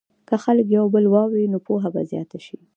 که خلک یو بل واوري، نو پوهه به زیاته شي.